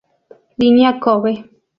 Línea Kobe